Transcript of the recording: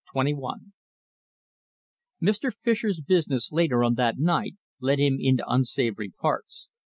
CHAPTER XXI Mr. Fischer's business later on that night led him into unsavoury parts.